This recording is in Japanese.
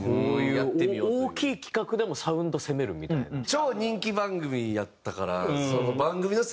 超人気番組やったから。